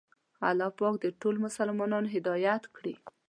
الله پاک دې ټول مسلمانان هدایت کړي.